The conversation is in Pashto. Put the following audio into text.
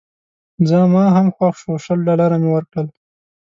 زما هم خوښ شو شل ډالره مې ورکړل.